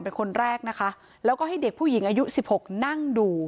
เป็นคนแรกนะคะแล้วก็ให้เด็กผู้หญิงอายุสิบหกนั่งดู